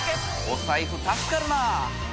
お財布助かるなぁ。